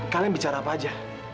kalian bicara apa aja